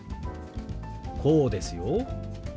こうですよ。